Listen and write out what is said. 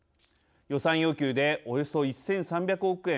予算要求でおよそ１３００億円